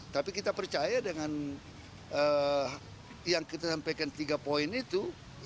tapi kita percaya dengan yang kita sampaikan tiga poin itu